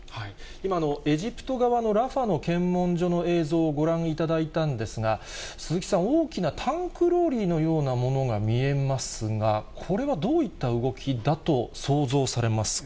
今のエジプト側のラファの検問所の映像をご覧いただいたんですが、鈴木さん、大きなタンクローリーのようなものが見えますが、これはどういった動きだと想像されますか。